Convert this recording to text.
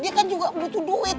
dia kan juga butuh duit